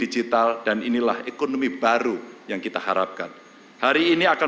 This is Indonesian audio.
sajaau tahu tujuan kami yang coronavirus terawal kehidupan semua signifikan